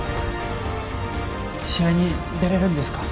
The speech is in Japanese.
試合に出れるんですか？